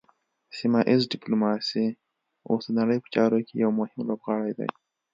سیمه ایز ډیپلوماسي اوس د نړۍ په چارو کې یو مهم لوبغاړی دی